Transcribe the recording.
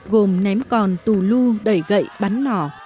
gồm ném còn tù lưu đẩy gậy bắn mỏ